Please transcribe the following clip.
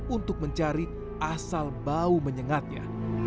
untuk mencari asal bau menyengatnya